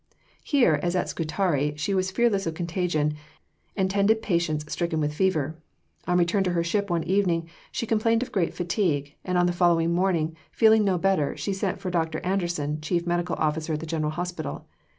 Here, as at Scutari, she was fearless of contagion, and tended patients stricken with fever. On return to her ship one evening she complained of great fatigue; and on the following morning, feeling no better, she sent for Dr. Anderson, Chief Medical Officer at the General Hospital.